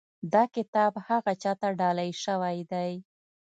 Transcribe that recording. دا کتاب هغه چا ته ډالۍ شوی دی.